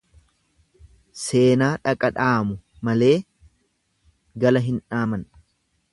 Seenaa dhaqa dhaamu malee gala hin dhaaman.